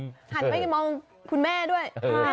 หันไปมองคุณแม่ด้วย